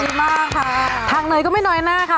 ดีมากค่ะทางเนยก็ไม่น้อยหน้าค่ะ